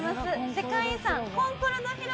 世界遺産。